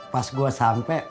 pas gua sampe